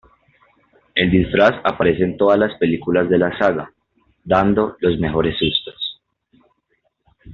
El disfraz aparece en todas las películas de la saga, dando los mejores sustos.